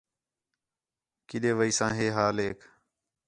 کݙے ویساں ہے حالیک